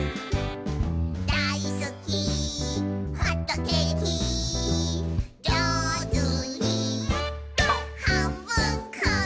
「だいすきホットケーキ」「じょうずにはんぶんこ！」